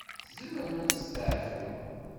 Tzemrem ad testeɛfum.